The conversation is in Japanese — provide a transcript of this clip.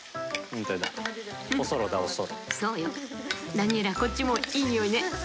ダニエラこっちもいい匂いね。